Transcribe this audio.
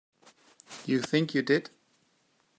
You think you did.